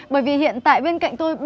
bởi vì hiện tại bên cạnh tôi